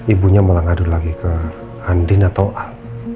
ibunya malah ngadu lagi ke andien atau al